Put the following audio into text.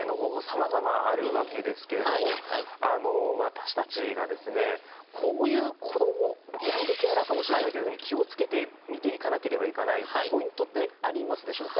さまざまあるわけですけれども私たちがですねこういう子どもヤングケアラーかもしれないというふうに気を付けて見ていかなければいけないポイントってありますでしょうか？